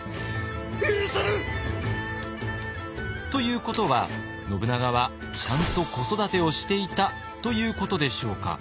ということは信長はちゃんと子育てをしていたということでしょうか。